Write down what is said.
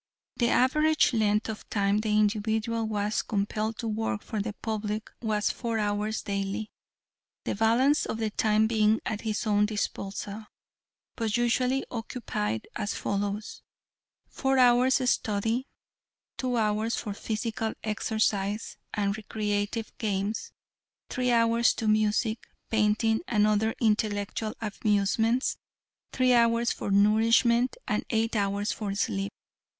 The average length of time the individual was compelled to work for the public was four hours daily, the balance of the time being at his own disposal, but usually occupied as follows: four hours study; two hours for physical exercise and recreative games; three hours to music, painting and other intellectual amusements; three hours for nourishment and eight hours for sleep.